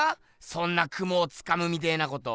そんな雲をつかむみてえなこと。